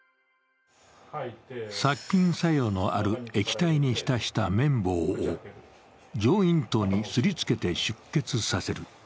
殺菌作用のある液体にひたした綿棒を上咽頭に擦り付けて出血させる。